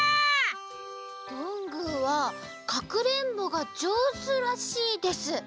どんぐーはかくれんぼがじょうずらしいです。